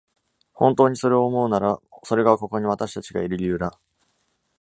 本当にそれを思うなら、それがここに私たちがいる理由だ。